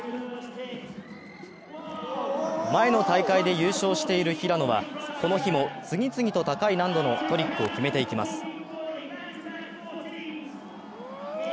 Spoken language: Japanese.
前の大会で優勝している平野は、この日も次々と高い難度のトリックを決めていきます。